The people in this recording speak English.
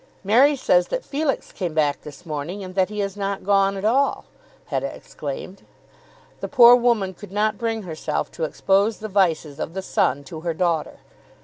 "Mary says that Felix came back this morning, and that he has not gone at all," Hetta exclaimed. The poor woman could not bring herself to expose the vices of the son to her daughter.